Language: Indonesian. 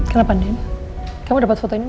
mana sendirian si uya tidur